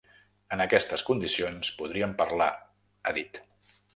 En aquestes condicions, podríem parlar, ha dit.